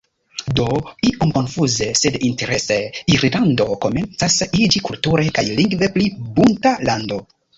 Do, iom konfuze, sed interese, Irlando komencas iĝi kulture kaj lingve pli bunta lando.